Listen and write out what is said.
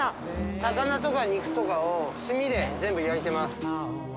魚とか肉とかを炭で全部焼いてます。